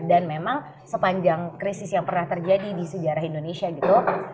dan memang sepanjang krisis yang pernah terjadi di sejarah indonesia gitu